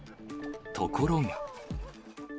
ところが。